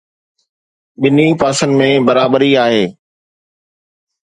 ٻنهي پاسن ۾ برابري آهي.